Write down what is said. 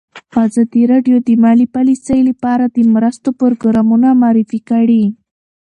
ازادي راډیو د مالي پالیسي لپاره د مرستو پروګرامونه معرفي کړي.